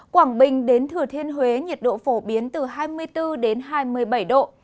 quảng bình đến thừa thiên huế nhiệt độ phổ biến từ hai mươi bốn đến hai mươi bảy độ